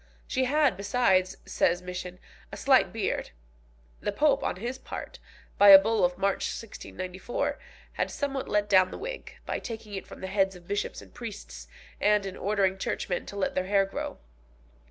She had, besides, says Misson, a slight beard. The Pope, on his part, by a bull of March 1694, had somewhat let down the wig, by taking it from the heads of bishops and priests, and in ordering churchmen to let their hair grow.